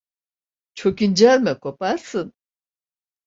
Çok incelme, koparsın.